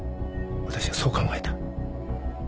私はそう考えた。